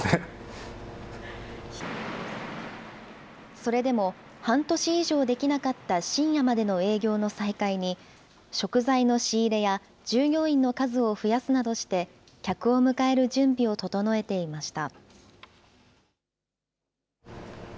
それでも半年以上できなかった深夜までの営業の再開に、食材の仕入れや従業員の数を増やすなどして、客を迎える準備を整えていました。